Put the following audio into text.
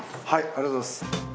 ありがとうございます。